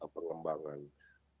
jadi itu adalah hal yang sangat penting